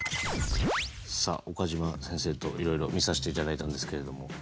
さあ岡島先生といろいろ見させていただいたんですけれども。